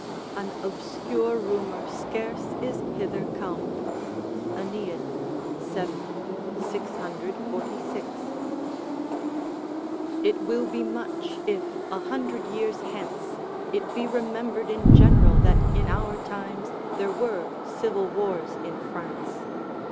["An obscure rumour scarce is hither come." AEneid, vii. 646.] It will be much if, a hundred years hence, it be remembered in general that in our times there were civil wars in France.